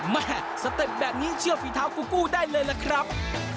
แม่สเต็ปแบบนี้เชื่อฝีเท้ากูกู้ได้เลยล่ะครับ